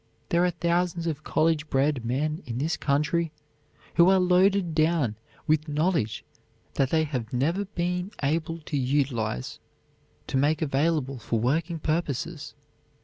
There are thousands of college bred men in this country, who are loaded down with knowledge that they have never been able to utilize, to make available for working purposes.